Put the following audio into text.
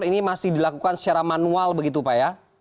ini masih dilakukan secara manual begitu pak ya